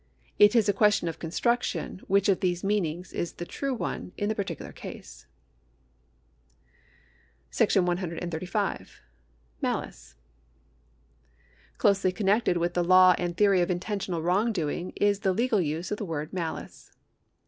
It is a question of construction which of those meanings is the true one in the particular case.^ § 135. Malice. Closely connected with the law and theory of intentional wrongdoing is the legal use of the word malice.